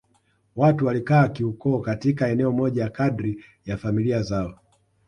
Watu walikaa kiukoo katika eneo moja kadri ya familia zao